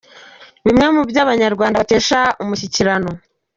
Bimwe mu byo Abanyarwanda bakesha Umushyikirano.